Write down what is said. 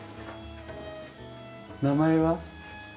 名前は？